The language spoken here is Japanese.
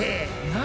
何？